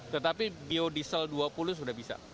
tetapi biodiesel dua puluh sudah bisa